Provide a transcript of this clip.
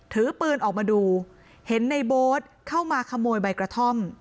ถือปืนออกมาดูเห็นในโบ๊ทเข้ามาขโมยใบกระท่อม